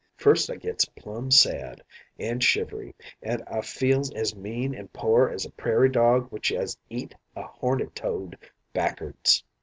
First I gits plum sad, and shivery, and I feels as mean an' pore as a prairie dog w'ich 'as eat a horned toad back'ards.